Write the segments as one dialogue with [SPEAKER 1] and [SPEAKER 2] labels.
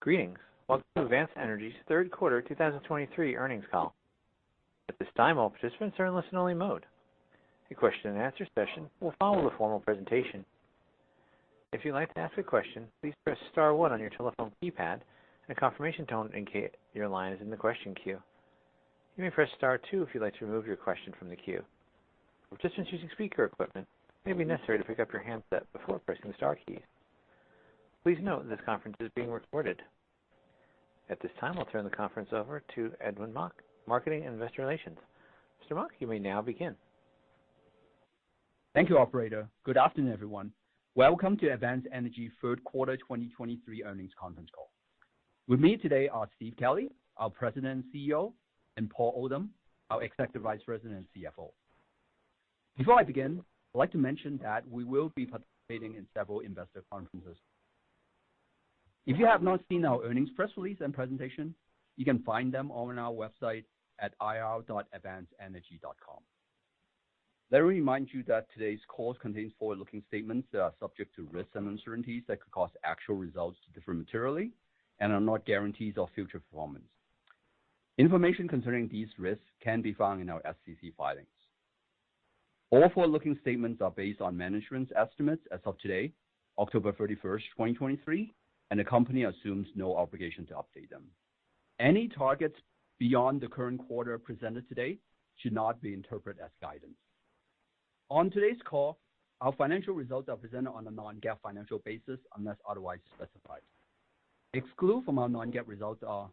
[SPEAKER 1] Greetings. Welcome to Advanced Energy's third quarter 2023 earnings call. At this time, all participants are in listen-only mode. A question-and-answer session will follow the formal presentation. If you'd like to ask a question, please press star one on your telephone keypad, and a confirmation tone indicates your line is in the question queue. You may press star two if you'd like to remove your question from the queue. Participants using speaker equipment, it may be necessary to pick up your handset before pressing the star key. Please note, this conference is being recorded. At this time, I'll turn the conference over to Edwin Mok, Marketing and Investor Relations. Mr. Mok, you may now begin.
[SPEAKER 2] Thank you, operator. Good afternoon, everyone. Welcome to Advanced Energy third quarter 2023 earnings conference call. With me today are Steve Kelley, our President and CEO, and Paul Oldham, our Executive Vice President and CFO. Before I begin, I'd like to mention that we will be participating in several investor conferences. If you have not seen our earnings press release and presentation, you can find them on our website at ir.advancedenergy.com. Let me remind you that today's call contains forward-looking statements that are subject to risks and uncertainties that could cause actual results to differ materially and are not guarantees of future performance. Information concerning these risks can be found in our SEC filings. All forward-looking statements are based on management's estimates as of today, October 31st, 2023, and the company assumes no obligation to update them. Any targets beyond the current quarter presented today should not be interpreted as guidance. On today's call, our financial results are presented on a non-GAAP financial basis, unless otherwise specified. Excluded from our non-GAAP results are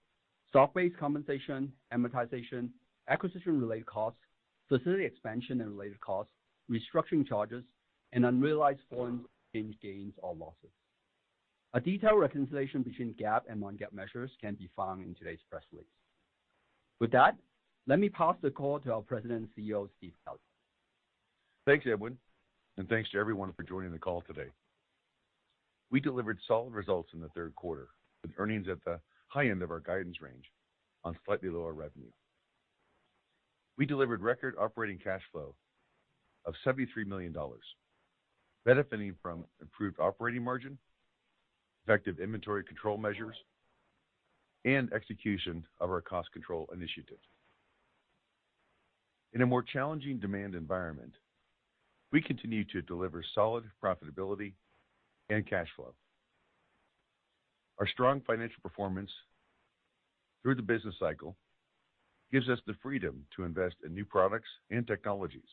[SPEAKER 2] stock-based compensation, amortization, acquisition-related costs, facility expansion and related costs, restructuring charges, and unrealized foreign exchange gains or losses. A detailed reconciliation between GAAP and non-GAAP measures can be found in today's press release. With that, let me pass the call to our President and CEO, Steve Kelley.
[SPEAKER 3] Thanks, Edwin, and thanks to everyone for joining the call today. We delivered solid results in the third quarter, with earnings at the high end of our guidance range on slightly lower revenue. We delivered record operating cash flow of $73 million, benefiting from improved operating margin, effective inventory control measures, and execution of our cost control initiatives. In a more challenging demand environment, we continue to deliver solid profitability and cash flow. Our strong financial performance through the business cycle gives us the freedom to invest in new products and technologies,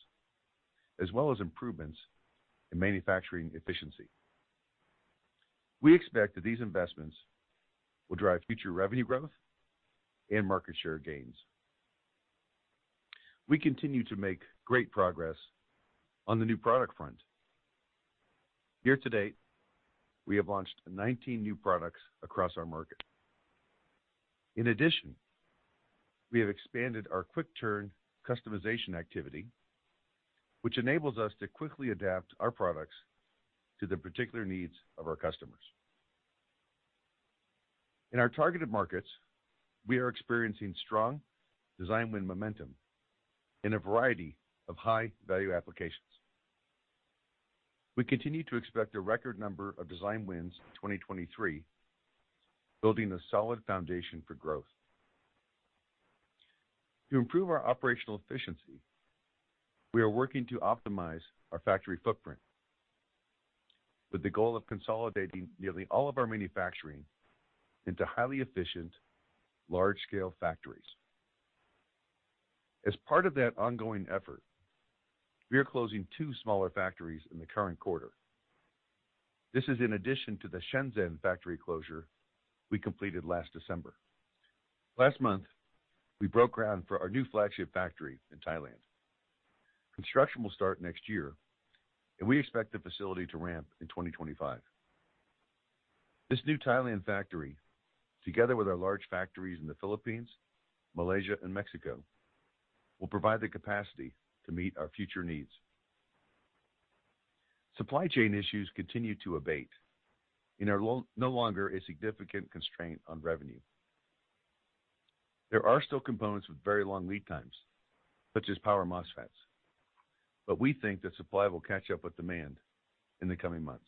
[SPEAKER 3] as well as improvements in manufacturing efficiency. We expect that these investments will drive future revenue growth and market share gains. We continue to make great progress on the new product front. Year to date, we have launched 19 new products across our market. In addition, we have expanded our quick-turn customization activity, which enables us to quickly adapt our products to the particular needs of our customers. In our targeted markets, we are experiencing strong design win momentum in a variety of high-value applications. We continue to expect a record number of design wins in 2023, building a solid foundation for growth. To improve our operational efficiency, we are working to optimize our factory footprint, with the goal of consolidating nearly all of our manufacturing into highly efficient, large-scale factories. As part of that ongoing effort, we are closing two smaller factories in the current quarter. This is in addition to the Shenzhen factory closure we completed last December. Last month, we broke ground for our new flagship factory in Thailand. Construction will start next year, and we expect the facility to ramp in 2025. This new Thailand factory, together with our large factories in the Philippines, Malaysia, and Mexico, will provide the capacity to meet our future needs. Supply chain issues continue to abate and are no longer a significant constraint on revenue. There are still components with very long lead times, such as power MOSFETs, but we think that supply will catch up with demand in the coming months.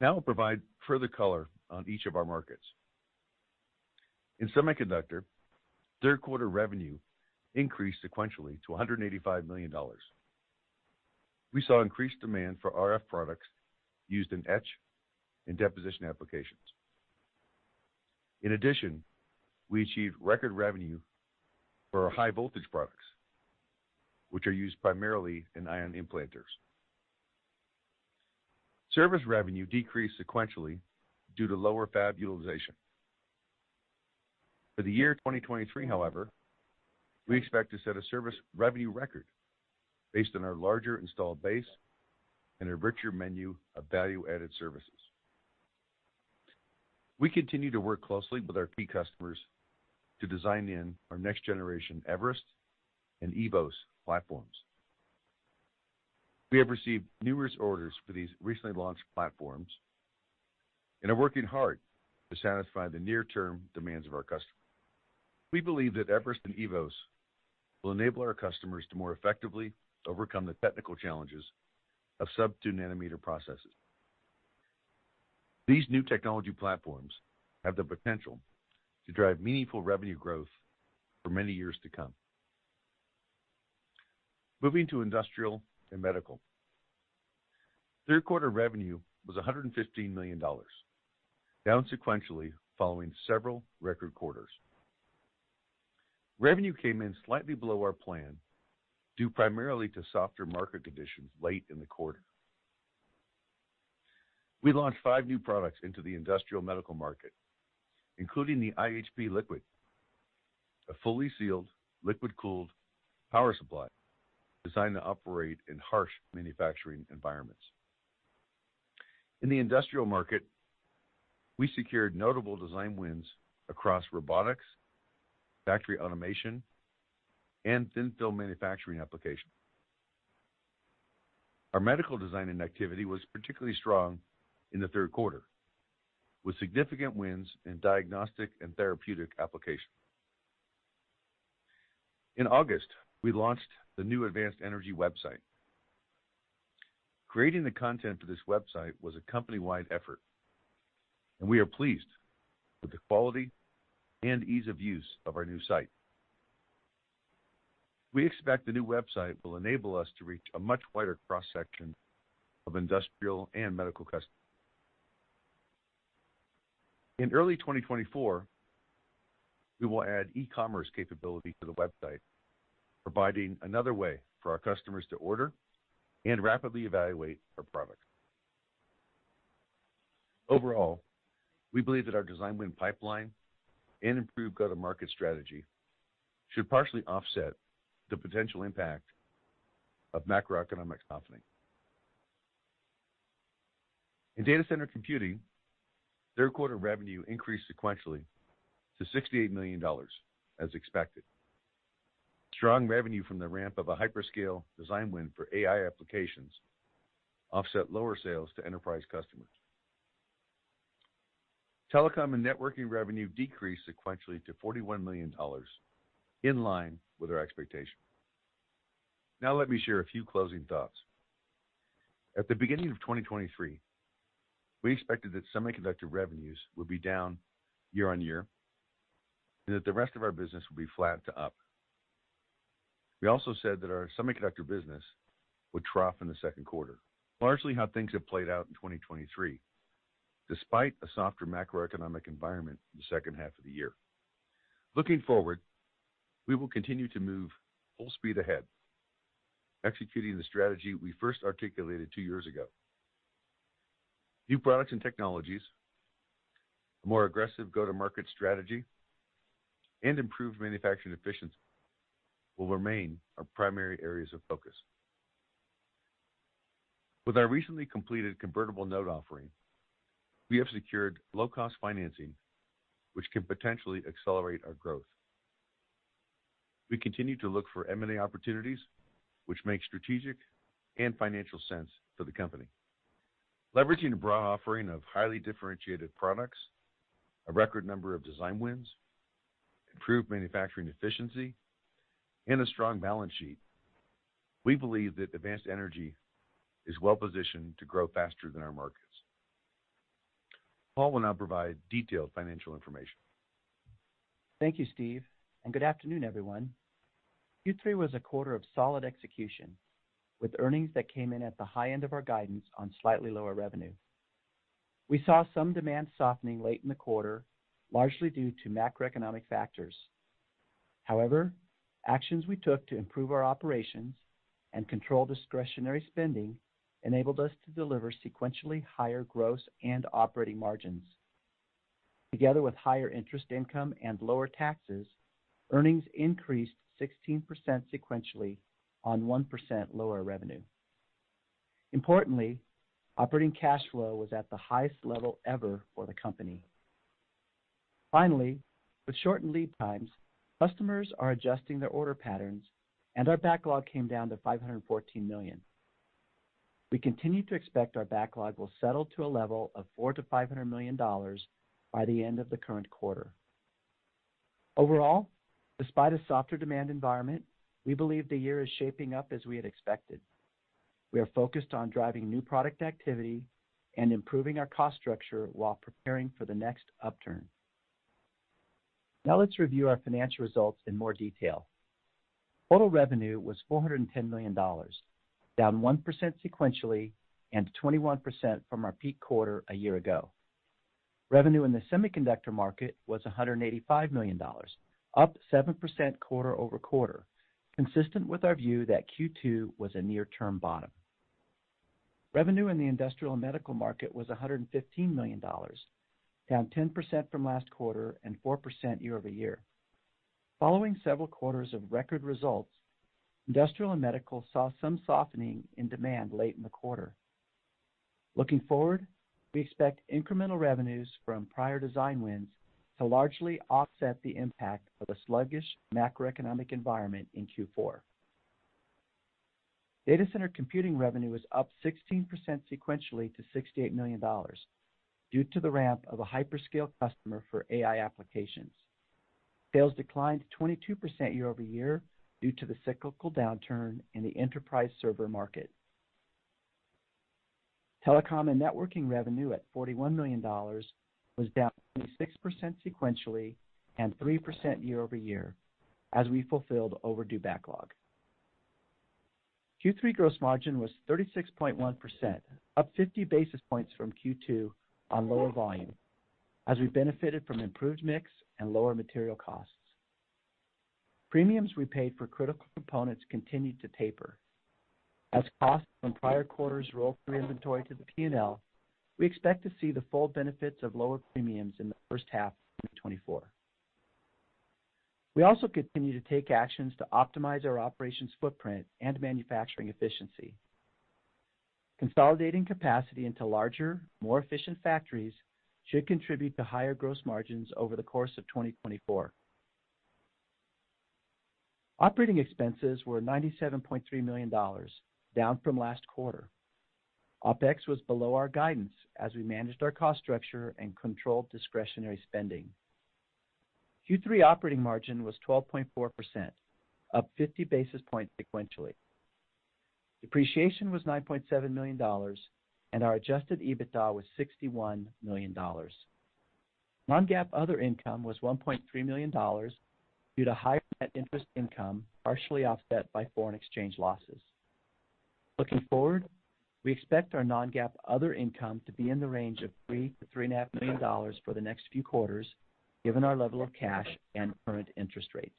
[SPEAKER 3] Now I'll provide further color on each of our markets. In semiconductor, third quarter revenue increased sequentially to $185 million. We saw increased demand for RF products used in etch and deposition applications. In addition, we achieved record revenue for our high-voltage products, which are used primarily in ion implanters. Service revenue decreased sequentially due to lower fab utilization. For the year 2023, however, we expect to set a service revenue record based on our larger installed base and a richer menu of value-added services. We continue to work closely with our key customers to design in our next-generation eVerest and eVoS platforms. We have received numerous orders for these recently launched platforms and are working hard to satisfy the near-term demands of our customers. We believe that eVerest and eVoS will enable our customers to more effectively overcome the technical challenges of sub-two nanometer processes. These new technology platforms have the potential to drive meaningful revenue growth for many years to come. Moving to Industrial and Medical. Third quarter revenue was $115 million, down sequentially following several record quarters. Revenue came in slightly below our plan, due primarily to softer market conditions late in the quarter. We launched five new products into the Industrial and Medical market, including the iHP Liquid, a fully sealed, liquid-cooled power supply designed to operate in harsh manufacturing environments. In the industrial market, we secured notable design wins across robotics, factory automation, and thin-film manufacturing applications. Our medical design win activity was particularly strong in the third quarter, with significant wins in diagnostic and therapeutic applications. In August, we launched the new Advanced Energy website. Creating the content for this website was a company-wide effort, and we are pleased with the quality and ease of use of our new site. We expect the new website will enable us to reach a much wider cross-section of Industrial and Medical customers. In early 2024, we will add e-commerce capability to the website, providing another way for our customers to order and rapidly evaluate our product. Overall, we believe that our design win pipeline and improved go-to-market strategy should partially offset the potential impact of macroeconomic softening. In Data Center Computing, third quarter revenue increased sequentially to $68 million, as expected. Strong revenue from the ramp of a hyperscale design win for AI applications offset lower sales to enterprise customers. Telecom and networking revenue decreased sequentially to $41 million, in line with our expectation. Now let me share a few closing thoughts. At the beginning of 2023, we expected that semiconductor revenues would be down year-on-year, and that the rest of our business would be flat to up. We also said that our semiconductor business would trough in the second quarter, largely how things have played out in 2023, despite a softer macroeconomic environment in the second half of the year. Looking forward, we will continue to move full speed ahead, executing the strategy we first articulated two years ago. New products and technologies, a more aggressive go-to-market strategy, and improved manufacturing efficiency will remain our primary areas of focus. With our recently completed convertible note offering, we have secured low-cost financing, which can potentially accelerate our growth. We continue to look for M&A opportunities, which make strategic and financial sense for the company. Leveraging a broad offering of highly differentiated products, a record number of design wins, improved manufacturing efficiency, and a strong balance sheet, we believe that Advanced Energy is well positioned to grow faster than our markets. Paul will now provide detailed financial information.
[SPEAKER 4] Thank you, Steve, and good afternoon, everyone. Q3 was a quarter of solid execution, with earnings that came in at the high end of our guidance on slightly lower revenue. We saw some demand softening late in the quarter, largely due to macroeconomic factors. However, actions we took to improve our operations and control discretionary spending enabled us to deliver sequentially higher gross and operating margins. Together with higher interest income and lower taxes, earnings increased 16% sequentially on 1% lower revenue. Importantly, operating cash flow was at the highest level ever for the company. Finally, with shortened lead times, customers are adjusting their order patterns, and our backlog came down to $514 million. We continue to expect our backlog will settle to a level of $400 million-$500 million by the end of the current quarter. Overall, despite a softer demand environment, we believe the year is shaping up as we had expected. We are focused on driving new product activity and improving our cost structure while preparing for the next upturn. Now let's review our financial results in more detail. Total revenue was $410 million, down 1% sequentially and 21% from our peak quarter a year ago. Revenue in the semiconductor market was $185 million, up 7% quarter-over-quarter, consistent with our view that Q2 was a near-term bottom. Revenue in the Industrial and Medical market was $115 million, down 10% from last quarter and 4% year-over-year. Following several quarters of record results, Industrial and Medical saw some softening in demand late in the quarter. Looking forward, we expect incremental revenues from prior design wins to largely offset the impact of a sluggish macroeconomic environment in Q4. Data Center Computing revenue was up 16% sequentially to $68 million, due to the ramp of a hyperscale customer for AI applications. Sales declined 22% year-over-year due to the cyclical downturn in the enterprise server market. Telecom and Networking revenue at $41 million was down 26% sequentially and 3% year-over-year, as we fulfilled overdue backlog. Q3 gross margin was 36.1%, up 50 basis points from Q2 on lower volume, as we benefited from improved mix and lower material costs. Premiums we paid for critical components continued to taper. As costs from prior quarters roll through inventory to the P&L, we expect to see the full benefits of lower premiums in the first half of 2024. We also continue to take actions to optimize our operations footprint and manufacturing efficiency. Consolidating capacity into larger, more efficient factories should contribute to higher gross margins over the course of 2024. Operating expenses were $97.3 million, down from last quarter. OpEx was below our guidance as we managed our cost structure and controlled discretionary spending. Q3 operating margin was 12.4%, up 50 basis points sequentially. Depreciation was $9.7 million, and our adjusted EBITDA was $61 million. Non-GAAP other income was $1.3 million due to higher net interest income, partially offset by foreign exchange losses. Looking forward, we expect our non-GAAP other income to be in the range of $3 million-$3.5 million for the next few quarters, given our level of cash and current interest rates.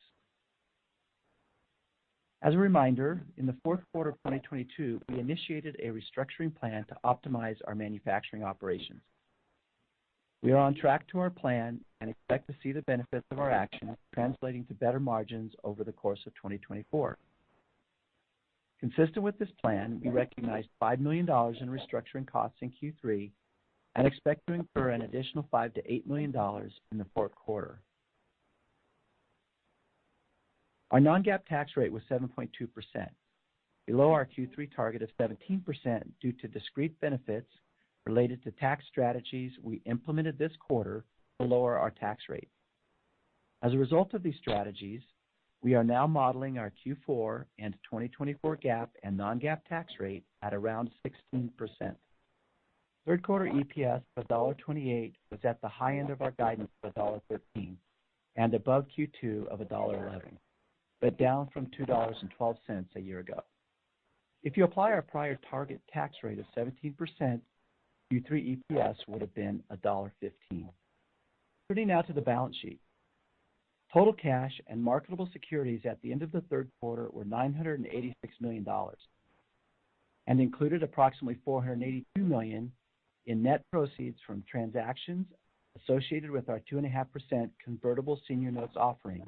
[SPEAKER 4] As a reminder, in the fourth quarter of 2022, we initiated a restructuring plan to optimize our manufacturing operations. We are on track to our plan and expect to see the benefits of our actions translating to better margins over the course of 2024. Consistent with this plan, we recognized $5 million in restructuring costs in Q3 and expect to incur an additional $5 million-$8 million in the fourth quarter. Our non-GAAP tax rate was 7.2%, below our Q3 target of 17%, due to discrete benefits related to tax strategies we implemented this quarter. As a result of these strategies, we are now modeling our Q4 and 2024 GAAP and non-GAAP tax rate at around 16%. Third quarter EPS of $0.28 was at the high end of our guidance of $0.13 and above Q2 of $0.11, but down from $2.12 a year ago. If you apply our prior target tax rate of 17%, Q3 EPS would have been $0.15. Turning now to the balance sheet. Total cash and marketable securities at the end of the third quarter were $986 million, and included approximately $482 million in net proceeds from transactions associated with our 2.5% convertible senior notes offering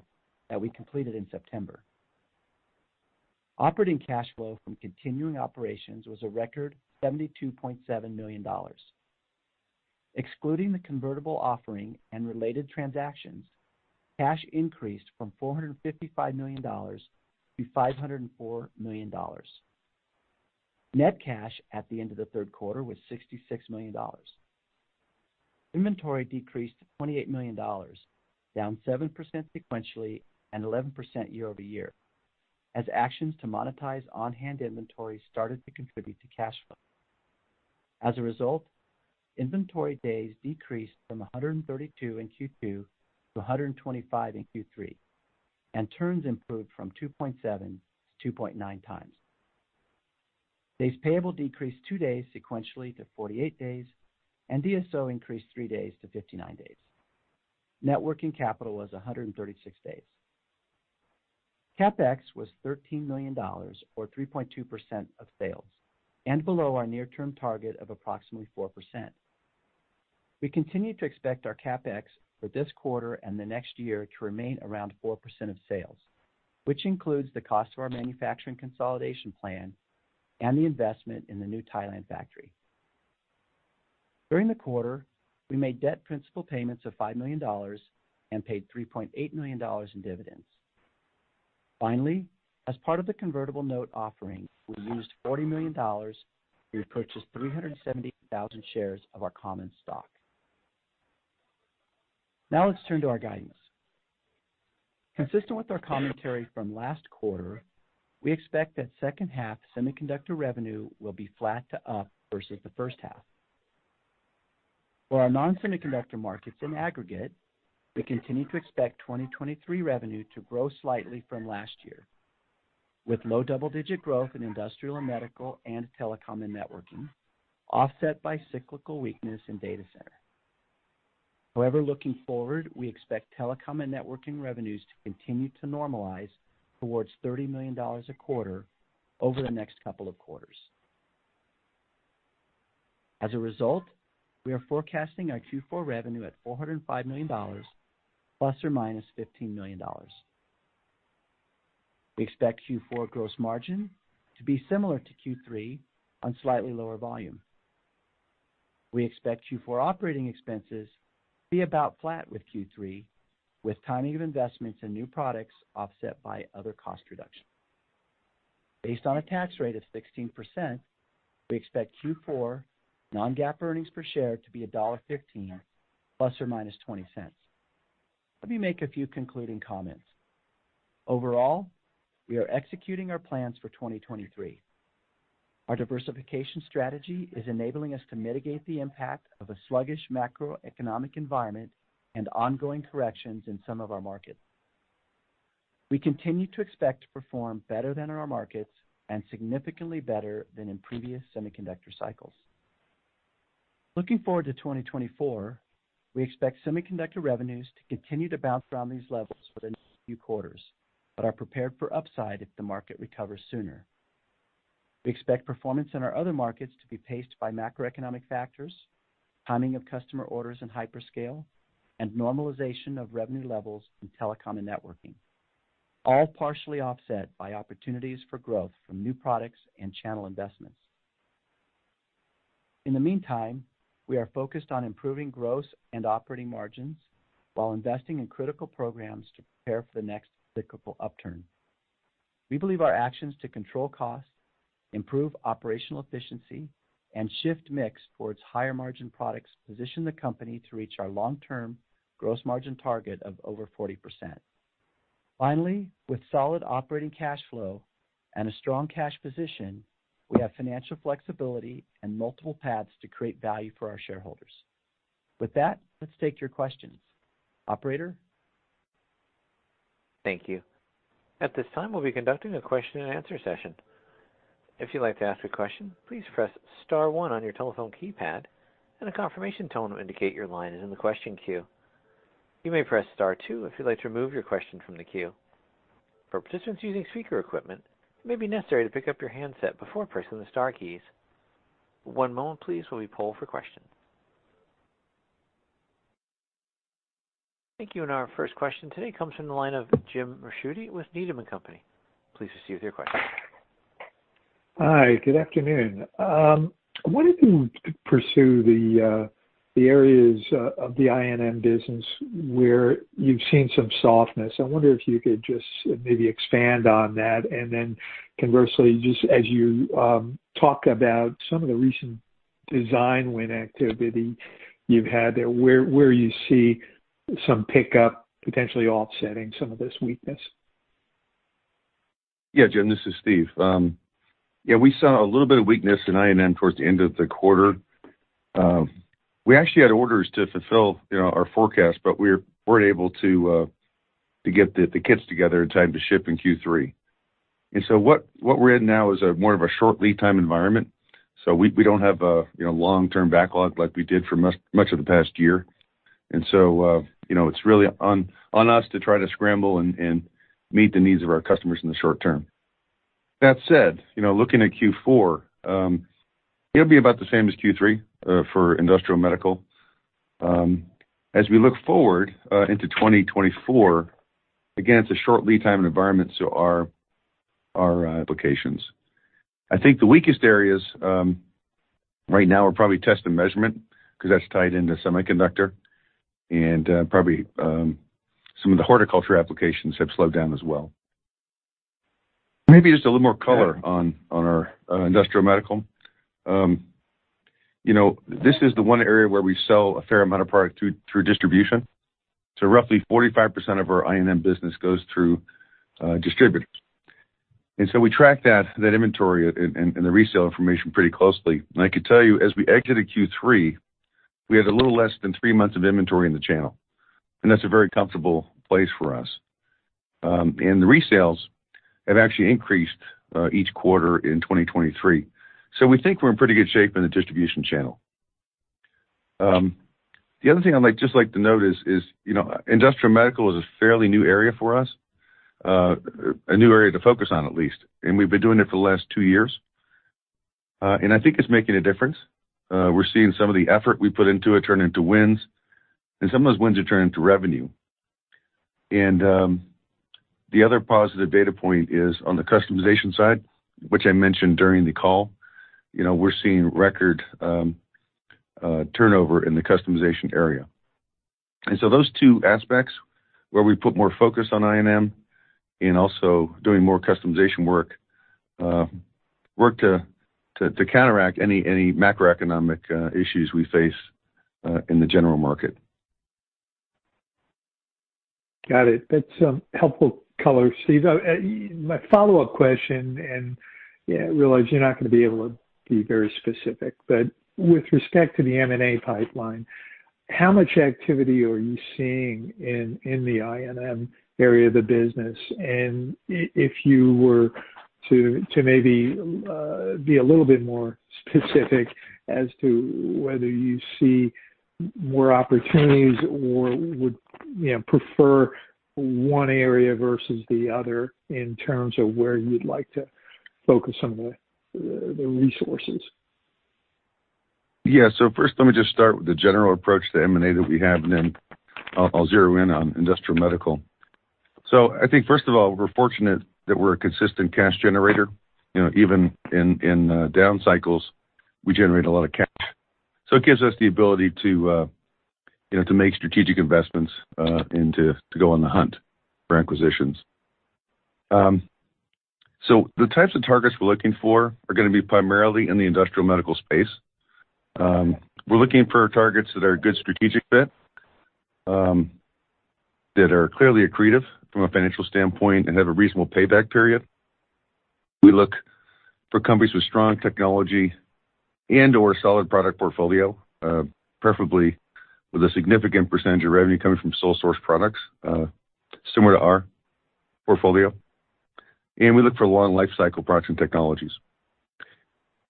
[SPEAKER 4] that we completed in September. Operating cash flow from continuing operations was a record $72.7 million. Excluding the convertible offering and related transactions, cash increased from $455 million to $504 million. Net cash at the end of the third quarter was $66 million. Inventory decreased to $28 million, down 7% sequentially and 11% year-over-year, as actions to monetize on-hand inventory started to contribute to cash flow. As a result, inventory days decreased from 132 in Q2 to 125 in Q3, and turns improved from 2.7x-2.9x. Days payable decreased two days sequentially to 48 days, and DSO increased three days to 59 days. Net working capital was 136 days. CapEx was $13 million, or 3.2% of sales, and below our near-term target of approximately 4%. We continue to expect our CapEx for this quarter and the next year to remain around 4% of sales, which includes the cost of our manufacturing consolidation plan and the investment in the new Thailand factory. During the quarter, we made debt principal payments of $5 million and paid $3.8 million in dividends. Finally, as part of the convertible note offering, we used $40 million. We repurchased 370,000 shares of our common stock. Now, let's turn to our guidance. Consistent with our commentary from last quarter, we expect that second half semiconductor revenue will be flat to up versus the first half. For our non-semiconductor markets in aggregate, we continue to expect 2023 revenue to grow slightly from last year, with low double-digit growth in Industrial and Medical and Telecom and Networking, offset by cyclical weakness in Data Center. However, looking forward, we expect Telecom and Networking revenues to continue to normalize towards $30 million a quarter over the next couple of quarters. As a result, we are forecasting our Q4 revenue at $405 million, ±$15 million. We expect Q4 gross margin to be similar to Q3 on slightly lower volume. We expect Q4 operating expenses to be about flat with Q3, with timing of investments in new products offset by other cost reduction. Based on a tax rate of 16%, we expect Q4 non-GAAP earnings per share to be $1.15, ±$0.20. Let me make a few concluding comments. Overall, we are executing our plans for 2023. Our diversification strategy is enabling us to mitigate the impact of a sluggish macroeconomic environment and ongoing corrections in some of our markets. We continue to expect to perform better than our markets and significantly better than in previous semiconductor cycles. Looking forward to 2024, we expect semiconductor revenues to continue to bounce around these levels for the next few quarters, but are prepared for upside if the market recovers sooner. We expect performance in our other markets to be paced by macroeconomic factors, timing of customer orders in hyperscale, and normalization of revenue levels in telecom and networking, all partially offset by opportunities for growth from new products and channel investments. In the meantime, we are focused on improving gross and operating margins while investing in critical programs to prepare for the next cyclical upturn. We believe our actions to control costs, improve operational efficiency, and shift mix towards higher margin products position the company to reach our long-term gross margin target of over 40%. Finally, with solid operating cash flow and a strong cash position, we have financial flexibility and multiple paths to create value for our shareholders. With that, let's take your questions. Operator?
[SPEAKER 1] Thank you. At this time, we'll be conducting a question-and-answer session. If you'd like to ask a question, please press star one on your telephone keypad, and a confirmation tone will indicate your line is in the question queue. You may press Star two if you'd like to remove your question from the queue. For participants using speaker equipment, it may be necessary to pick up your handset before pressing the star keys. One moment please, while we poll for questions. Thank you. And our first question today comes from the line of Jim Ricchiuti with Needham & Company. Please proceed with your question.
[SPEAKER 5] Hi, good afternoon. I wanted to pursue the the areas of the I&M business where you've seen some softness. I wonder if you could just maybe expand on that, and then conversely, just as you talk about some of the recent design win activity you've had there, where you see some pickup potentially offsetting some of this weakness.
[SPEAKER 3] Yeah, Jim, this is Steve. Yeah, we saw a little bit of weakness in I&M towards the end of the quarter. We actually had orders to fulfill, you know, our forecast, but we weren't able to get the kits together in time to ship in Q3. So what we're in now is more of a short lead time environment. So we don't have a, you know, long-term backlog like we did for much of the past year. So, you know, it's really on us to try to scramble and meet the needs of our customers in the short term. That said, you know, looking at Q4, it'll be about the same as Q3 for Industrial and Medical. As we look forward into 2024, again, it's a short lead time environment, so our applications. I think the weakest areas right now are probably test and measurement, because that's tied into semiconductor, and probably some of the horticulture applications have slowed down as well. Maybe just a little more color on Industrial and Medical. you know, this is the one area where we sell a fair amount of product through distribution. So roughly 45% of our I&M business goes through distributors. And so we track that inventory and the resale information pretty closely. And I can tell you, as we exited Q3, we had a little less than three months of inventory in the channel, and that's a very comfortable place for us. And the resales have actually increased each quarter in 2023. So we think we're in pretty good shape in the distribution channel. The other thing I'd like, just like to note is, you Industrial and Medical is a fairly new area for us, a new area to focus on at least, and we've been doing it for the last two years. And I think it's making a difference. We're seeing some of the effort we put into it turn into wins, and some of those wins are turning to revenue. And the other positive data point is on the customization side, which I mentioned during the call. You know, we're seeing record turnover in the customization area. And so those two aspects where we put more focus on I&M and also doing more customization work to counteract any macroeconomic issues we face in the general market.
[SPEAKER 5] Got it. That's some helpful color, Steve. My follow-up question, and I realize you're not going to be able to be very specific, but with respect to the M&A pipeline, how much activity are you seeing in the I&M area of the business? And if you were to maybe be a little bit more specific as to whether you see more opportunities or would, you know, prefer one area versus the other in terms of where you'd like to focus some of the resources.
[SPEAKER 3] Yeah. So first, let me just start with the general approach to M&A that we have, and then I'll zero in Industrial and Medical. so I think first of all, we're fortunate that we're a consistent cash generator. You know, even in down cycles, we generate a lot of cash. So it gives us the ability to, you know, to make strategic investments and to go on the hunt for acquisitions. So the types of targets we're looking for are gonna be primarily in Industrial and Medical space. We're looking for targets that are a good strategic fit, that are clearly accretive from a financial standpoint and have a reasonable payback period. We look for companies with strong technology and/or solid product portfolio, preferably with a significant percentage of revenue coming from sole source products, similar to our portfolio. We look for long lifecycle products and technologies.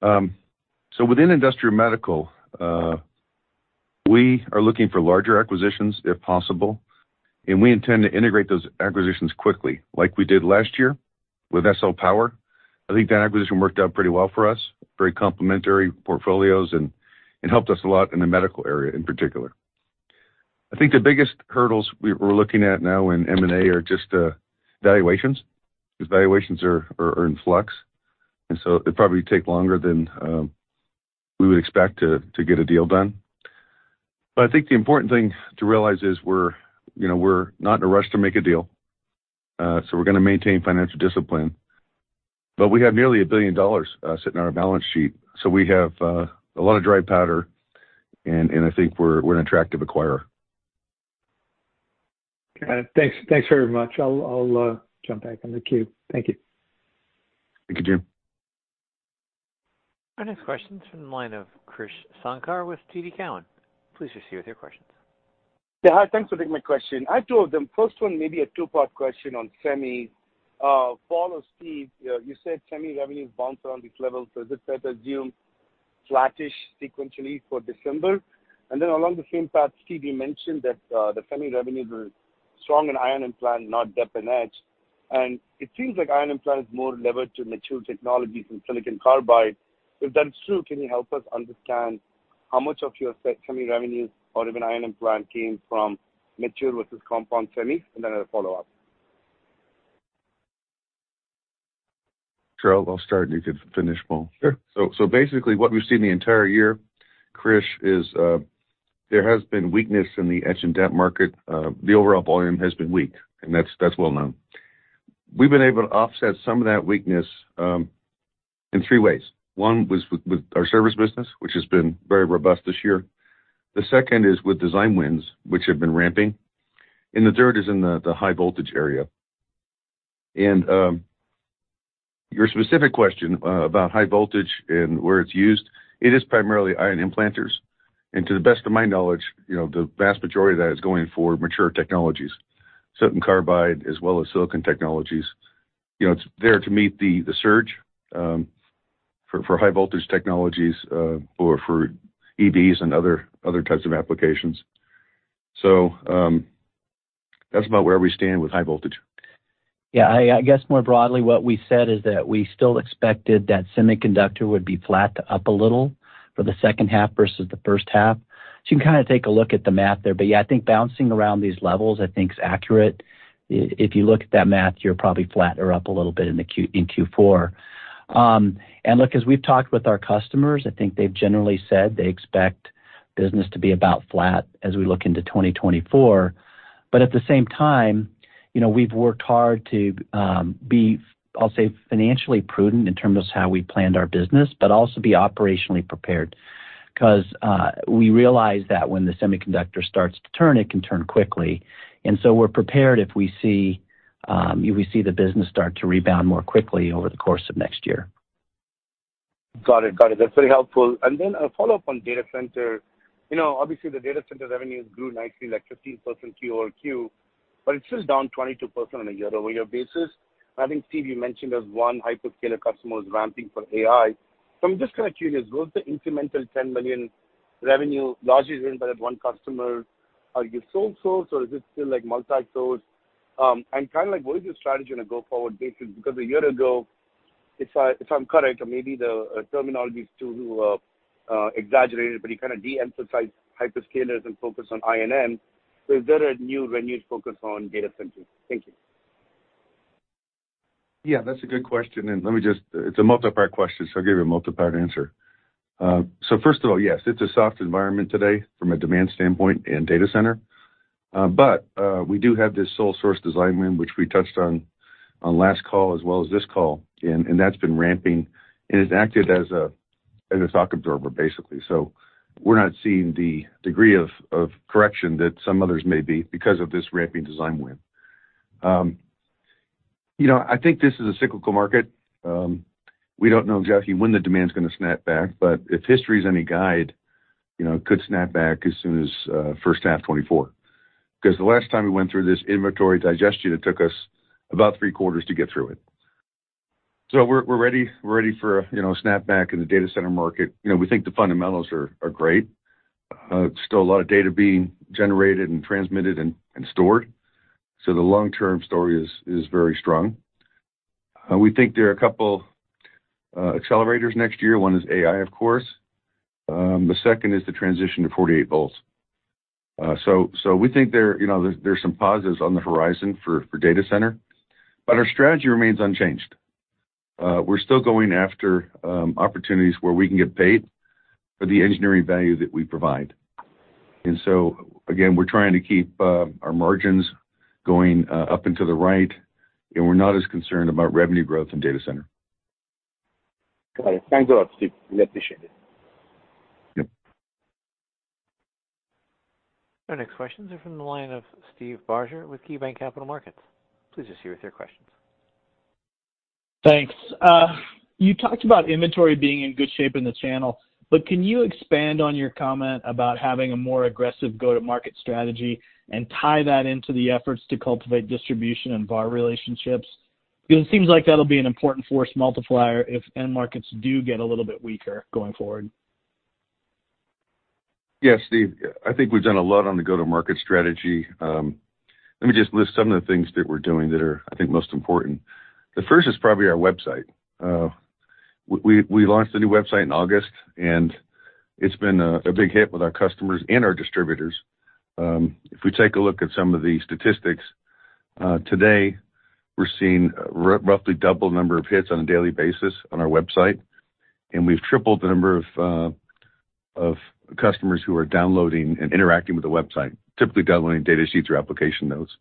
[SPEAKER 3] So Industrial and Medical, we are looking for larger acquisitions, if possible, and we intend to integrate those acquisitions quickly, like we did last year with SL Power. I think that acquisition worked out pretty well for us, very complementary portfolios, and it helped us a lot in the medical area in particular. I think the biggest hurdles we're looking at now in M&A are just valuations, because valuations are in flux, and so it'll probably take longer than we would expect to get a deal done. But I think the important thing to realize is we're, you know, we're not in a rush to make a deal. So we're gonna maintain financial discipline, but we have nearly $1 billion sitting on our balance sheet, so we have a lot of dry powder, and I think we're an attractive acquirer.
[SPEAKER 5] Got it. Thanks. Thanks very much. I'll jump back in the queue. Thank you.
[SPEAKER 3] Thank you, Jim.
[SPEAKER 1] Our next question is from the line of Krish Sankar with TD Cowen. Please proceed with your questions.
[SPEAKER 6] Yeah, hi. Thanks for taking my question. I have two of them. First one may be a two-part question on semi. Paul or Steve, you said semi revenues bounce around these levels, so is it fair to assume flattish sequentially for December? And then along the same path, Steve, you mentioned that the semi revenues were strong in ion implant, not dep and etch. And it seems like ion implant is more levered to mature technologies than Silicon Carbide. If that's true, can you help us understand how much of your semi revenues, or even ion implant, came from mature versus compound semi? And then I have a follow-up.
[SPEAKER 3] Sure. I'll start, and you can finish, Paul.
[SPEAKER 4] Sure.
[SPEAKER 3] So, basically what we've seen the entire year, Krish, is there has been weakness in the etch and dep market. The overall volume has been weak, and that's, that's well known. We've been able to offset some of that weakness in three ways. One was with our service business, which has been very robust this year. The second is with design wins, which have been ramping, and the third is in the high voltage area. And your specific question about high voltage and where it's used, it is primarily ion implanters. And to the best of my knowledge, you know, the vast majority of that is going for mature technologies, Silicon Carbide as well as silicon technologies. You know, it's there to meet the surge for high voltage technologies or for EVs and other types of applications. That's about where we stand with high voltage.
[SPEAKER 4] Yeah, I guess more broadly, what we said is that we still expected that semiconductor would be flat to up a little for the second half versus the first half. So you can kind of take a look at the math there, but yeah, I think bouncing around these levels I think is accurate. If you look at that math, you're probably flat or up a little bit in Q4. And look, as we've talked with our customers, I think they've generally said they expect business to be about flat as we look into 2024. But at the same time, you know, we've worked hard to be, I'll say, financially prudent in terms of how we planned our business, but also be operationally prepared, 'cause we realize that when the semiconductor starts to turn, it can turn quickly. And so we're prepared if we see the business start to rebound more quickly over the course of next year.
[SPEAKER 6] Got it. Got it. That's very helpful. And then a follow-up on Data Center. You know, obviously the Data Center revenues grew nicely, like 15% quarter-over-quarter, but it's still down 22% on a year-over-year basis. I think, Steve, you mentioned as one hyperscaler customer is ramping for AI. So I'm just kind of curious, was the incremental $10 million revenue largely driven by that one customer? Are you sole source, or is it still, like, multi-source? And kind of like, what is your strategy on a go-forward basis? Because a year ago, if I, if I'm correct, or maybe the terminology is too, exaggerated, but you kind of de-emphasized hyperscalers and focused on I&M. So is there a new renewed focus on Data Centers? Thank you.
[SPEAKER 3] Yeah, that's a good question, and let me just... It's a multi-part question, so I'll give you a multi-part answer. So first of all, yes, it's a soft environment today from a demand standpoint in Data Center. But, we do have this sole source design win, which we touched on, on last call as well as this call, and that's been ramping, and it acted as a shock absorber, basically. So we're not seeing the degree of correction that some others may be because of this ramping design win. You know, I think this is a cyclical market. We don't know exactly when the demand's gonna snap back, but if history is any guide, you know, it could snap back as soon as first half 2024. Because the last time we went through this inventory digestion, it took us about three quarters to get through it. So we're ready for a snapback in the Data Center market. You know, we think the fundamentals are great. Still a lot of data being generated and transmitted and stored. So the long-term story is very strong. We think there are a couple accelerators next year. One is AI, of course. The second is the transition to 48 volts. So we think there, you know, there's some positives on the horizon for Data Center, but our strategy remains unchanged. We're still going after opportunities where we can get paid for the engineering value that we provide. And so again, we're trying to keep our margins going up and to the right, and we're not as concerned about revenue growth in Data Center.
[SPEAKER 7] Got it. Thanks a lot, Steve. We appreciate it.
[SPEAKER 3] Yep.
[SPEAKER 1] Our next questions are from the line of Steve Barger with KeyBanc Capital Markets. Please proceed with your questions.
[SPEAKER 8] Thanks. You talked about inventory being in good shape in the channel, but can you expand on your comment about having a more aggressive go-to-market strategy and tie that into the efforts to cultivate distribution and bar relationships? Because it seems like that'll be an important force multiplier if end markets do get a little bit weaker going forward.
[SPEAKER 3] Yeah, Steve, I think we've done a lot on the go-to-market strategy. Let me just list some of the things that we're doing that are, I think, most important. The first is probably our website. We launched a new website in August, and it's been a big hit with our customers and our distributors. If we take a look at some of the statistics, today, we're seeing roughly double the number of hits on a daily basis on our website, and we've tripled the number of customers who are downloading and interacting with the website, typically downloading data sheets or application notes.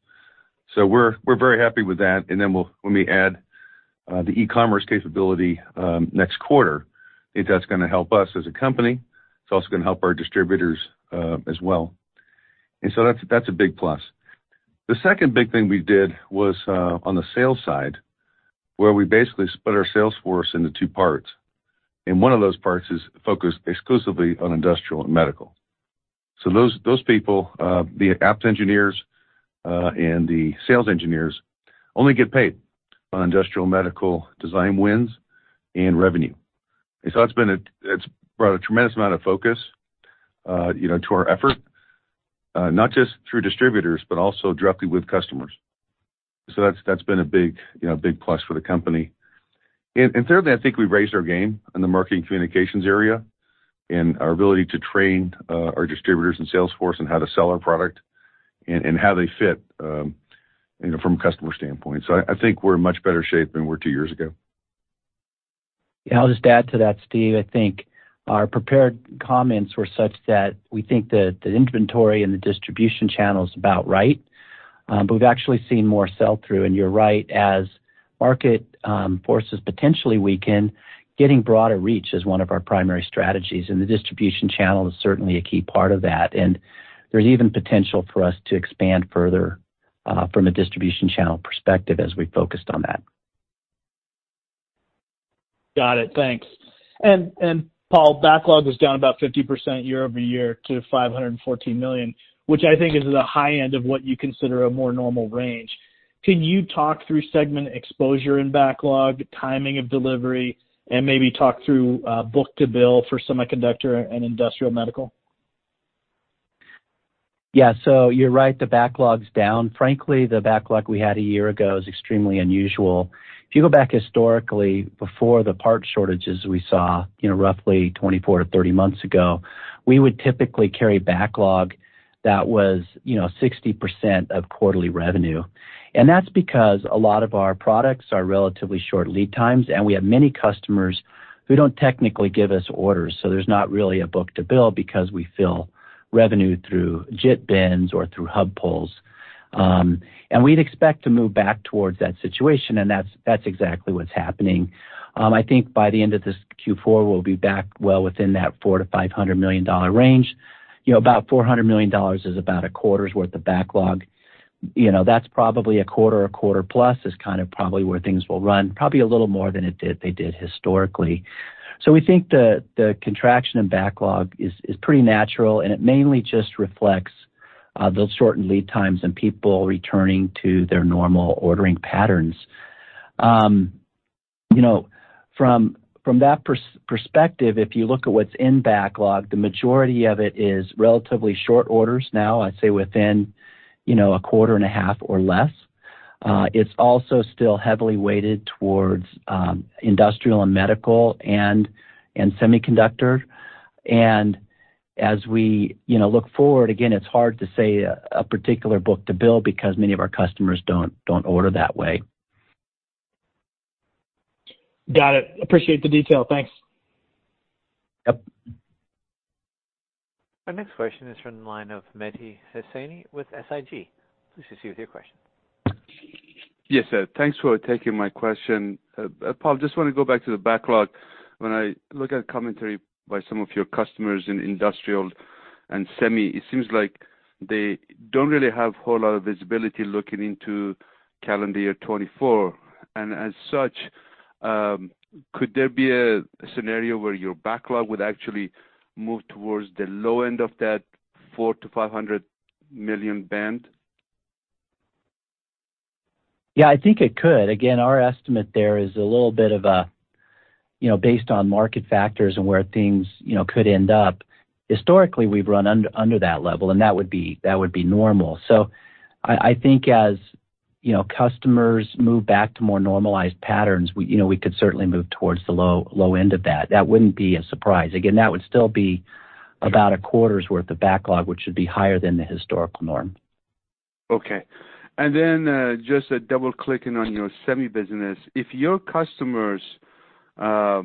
[SPEAKER 3] So we're very happy with that. And then when we add the e-commerce capability next quarter, I think that's gonna help us as a company. It's also gonna help our distributors as well. That's, that's a big plus. The second big thing we did was, on the sales side, where we basically split our sales force into two parts, and one of those parts is focused exclusively on Industrial and Medical. Those, those people, the apps engineers, and the sales engineers, only get paid on Industrial and Medical design wins and revenue. It's brought a tremendous amount of focus, you know, to our effort, not just through distributors, but also directly with customers. That's, that's been a big, you know, a big plus for the company. And thirdly, I think we've raised our game in the marketing communications area and our ability to train our distributors and sales force on how to sell our product and how they fit, you know, from a customer standpoint. So I think we're in much better shape than we were two years ago.
[SPEAKER 4] Yeah, I'll just add to that, Steve. I think our prepared comments were such that we think the inventory and the distribution channel is about right, but we've actually seen more sell-through. You're right, as market forces potentially weaken, getting broader reach is one of our primary strategies, and the distribution channel is certainly a key part of that. There's even potential for us to expand further, from a distribution channel perspective as we focused on that.
[SPEAKER 8] Got it. Thanks. And Paul, backlog was down about 50% year-over-year to $514 million, which I think is the high end of what you consider a more normal range. Can you talk through segment exposure in backlog, timing of delivery, and maybe talk through book-to-bill for semiconductor and Industrial and Medical?
[SPEAKER 4] Yeah. So you're right, the backlog's down. Frankly, the backlog we had a year ago is extremely unusual. If you go back historically, before the part shortages we saw, you know, roughly 24-30 months ago, we would typically carry backlog that was, you know, 60% of quarterly revenue. And that's because a lot of our products are relatively short lead times, and we have many customers who don't technically give us orders, so there's not really a book-to-bill because we fill revenue through JIT bins or through hub pulls. And we'd expect to move back towards that situation, and that's, that's exactly what's happening. I think by the end of this Q4, we'll be back well within that $400 million-$500 million range. You know, about $400 million is about a quarter's worth of backlog. You know, that's probably a quarter or quarter plus is kind of probably where things will run, probably a little more than they did historically. So we think the contraction in backlog is pretty natural, and it mainly just reflects those shortened lead times and people returning to their normal ordering patterns. You know, from that perspective, if you look at what's in backlog, the majority of it is relatively short orders now, I'd say within, you know, a quarter and a half or less. It's also still heavily weighted towards Industrial and Medical and Semiconductor. And as we, you know, look forward, again, it's hard to say a particular book to bill because many of our customers don't order that way.
[SPEAKER 8] Got it. Appreciate the detail. Thanks.
[SPEAKER 4] Yep.
[SPEAKER 1] Our next question is from the line of Mehdi Hosseini with SIG. Please proceed with your question.
[SPEAKER 9] Yes, sir. Thanks for taking my question. Paul, just wanna go back to the backlog. When I look at commentary by some of your customers in Industrial and Semi, it seems like they don't really have a whole lot of visibility looking into calendar year 2024. And as such, could there be a scenario where your backlog would actually move towards the low end of that $400 million-$500 million band?
[SPEAKER 4] Yeah, I think it could. Again, our estimate there is a little bit of... you know, based on market factors and where things, you know, could end up, historically, we've run under that level, and that would be normal. So I think as, you know, customers move back to more normalized patterns, we, you know, we could certainly move towards the low end of that. That wouldn't be a surprise. Again, that would still be about a quarter's worth of backlog, which would be higher than the historical norm.
[SPEAKER 9] Okay. And then, just a double-clicking on your Semi business. If your customers are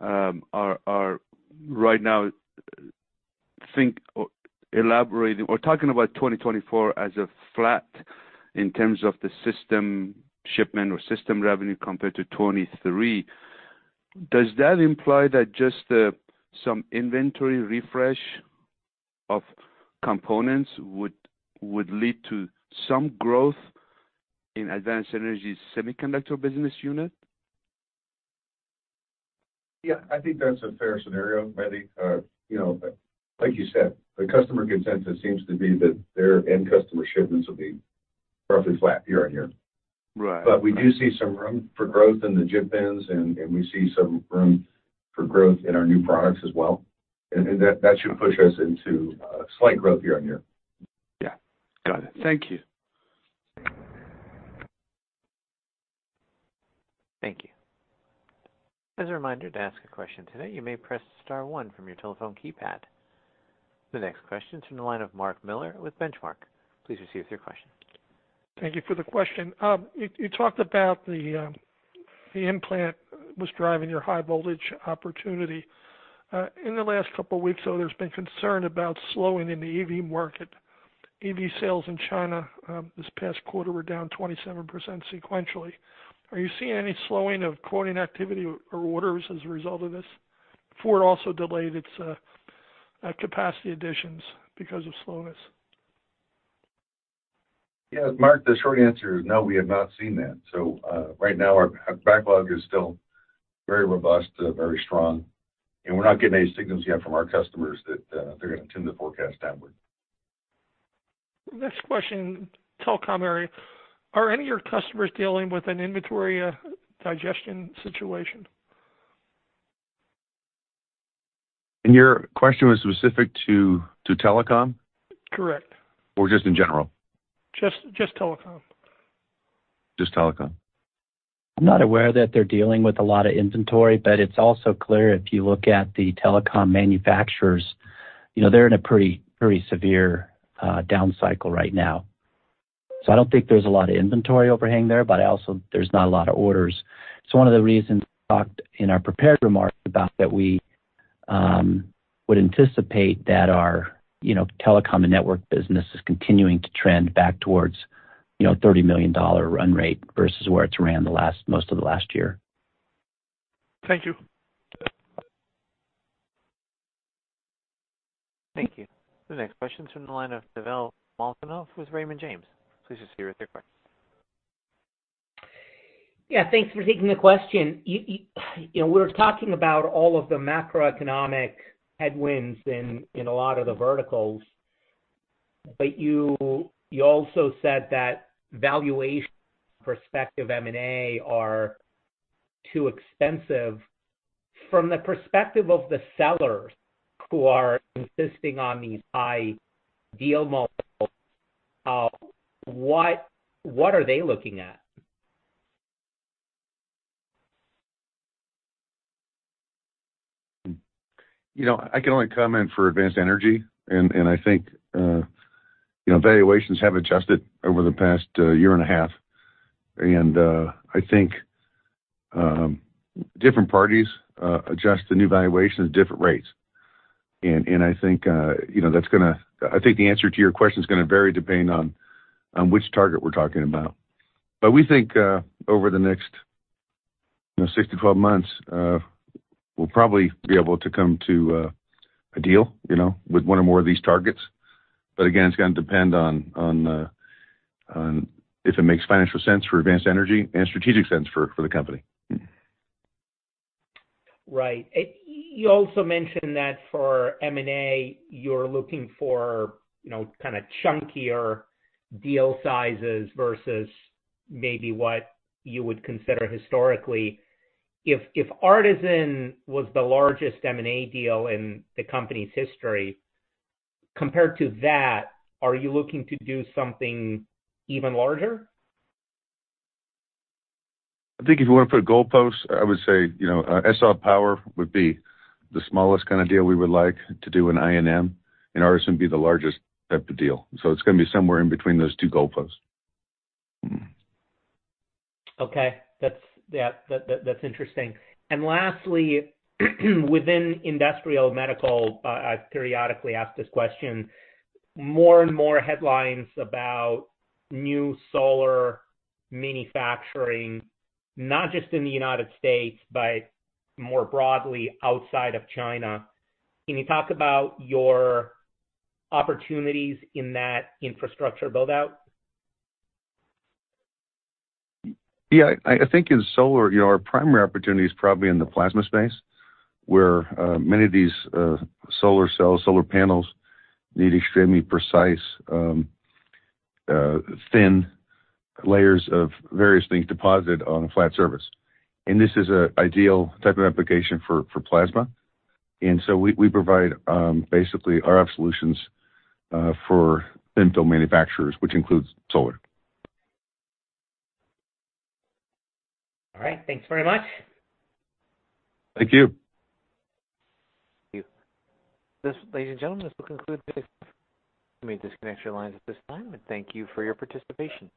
[SPEAKER 9] right now thinking or elaborating or talking about 2024 as flat in terms of the system shipment or system revenue compared to 2023, does that imply that just some inventory refresh of components would lead to some growth in Advanced Energy's Semiconductor business unit?
[SPEAKER 3] Yeah, I think that's a fair scenario, Mehdi. You know, like you said, the customer consensus seems to be that their end customer shipments will be roughly flat year-over-year. Right. But we do see some room for growth in the JIT bins, and we see some room for growth in our new products as well. And that should push us into slight growth year-over-year.
[SPEAKER 9] Yeah. Got it. Thank you.
[SPEAKER 1] Thank you. As a reminder, to ask a question today, you may press star one from your telephone keypad. The next question is from the line of Mark Miller with Benchmark. Please proceed with your question.
[SPEAKER 10] Thank you for the question. You talked about the implant was driving your high voltage opportunity. In the last couple of weeks, so there's been concern about slowing in the EV market. EV sales in China this past quarter were down 27% sequentially. Are you seeing any slowing of quoting activity or orders as a result of this? Ford also delayed its capacity additions because of slowness.
[SPEAKER 3] Yes, Mark, the short answer is no, we have not seen that. So, right now, our backlog is still very robust, very strong, and we're not getting any signals yet from our customers that they're going to tune the forecast downward.
[SPEAKER 10] Next question, Telecom area. Are any of your customers dealing with an inventory, digestion situation?
[SPEAKER 3] Your question was specific to Telecom?
[SPEAKER 10] Correct.
[SPEAKER 3] Or just in general?
[SPEAKER 10] Just, just Telecom.
[SPEAKER 3] Just Telecom.
[SPEAKER 4] I'm not aware that they're dealing with a lot of inventory, but it's also clear if you look at the telecom manufacturers, you know, they're in a pretty, very severe down cycle right now. So I don't think there's a lot of inventory overhang there, but I also there's not a lot of orders. So one of the reasons I talked in our prepared remarks about that we would anticipate that our, you know, telecom and network business is continuing to trend back towards, you know, $30 million run rate versus where it's ran the last, most of the last year.
[SPEAKER 10] Thank you.
[SPEAKER 1] Thank you. The next question is from the line of Pavel Molchanov, with Raymond James. Please go ahead with your question.
[SPEAKER 11] Yeah, thanks for taking the question. You know, we're talking about all of the macroeconomic headwinds in a lot of the verticals, but you also said that valuation perspective M&A are too expensive. From the perspective of the sellers who are insisting on these high deal multiples, what are they looking at?
[SPEAKER 3] You know, I can only comment for Advanced Energy, and I think, you know, valuations have adjusted over the past year and a half. I think different parties adjust the new valuations at different rates. I think, you know, that's gonna... I think the answer to your question is gonna vary depending on which target we're talking about. But we think over the next six to 12 months, we'll probably be able to come to a deal, you know, with one or more of these targets. But again, it's going to depend on if it makes financial sense for Advanced Energy and strategic sense for the company.
[SPEAKER 11] Right. You also mentioned that for M&A, you're looking for, you know, kind of chunkier deal sizes versus maybe what you would consider historically. If, if Artesyn was the largest M&A deal in the company's history, compared to that, are you looking to do something even larger?
[SPEAKER 3] I think if you want to put a goalpost, I would say, you know, SL Power would be the smallest kind of deal we would like to do in I&M, and Artesyn would be the largest type of deal. So it's going to be somewhere in between those two goalposts.
[SPEAKER 11] Okay. That's, yeah, that, that's interesting. And lastly, within Industrial and Medical, I periodically ask this question. More and more headlines about new solar manufacturing, not just in the United States, but more broadly outside of China. Can you talk about your opportunities in that infrastructure build-out?
[SPEAKER 3] Yeah, I think in solar, our primary opportunity is probably in the plasma space, where many of these solar cells, solar panels need extremely precise thin layers of various things deposited on a flat surface. And this is an ideal type of application for plasma. And so we provide basically RF solutions for thin film manufacturers, which includes solar.
[SPEAKER 11] All right. Thanks very much.
[SPEAKER 3] Thank you.
[SPEAKER 1] Thank you. This, ladies and gentlemen, this will conclude this. You may disconnect your lines at this time, and thank you for your participation.